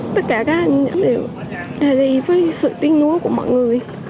tất cả các anh đều ra đi với sự tiếng nuốt của mọi người